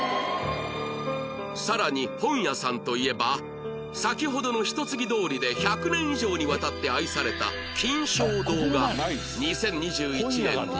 さらに本屋さんといえば先ほどの一ツ木通りで１００年以上にわたって愛された金松堂が